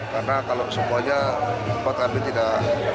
karena kalau semuanya empat hari ini tidak